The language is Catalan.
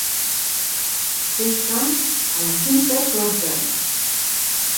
S'estan a la quinta forca.